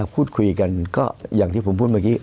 พูดคุยกันก็อย่างที่ผมพูดเมื่อกี้